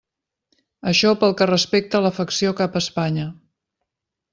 Això pel que respecta a l'afecció cap a Espanya.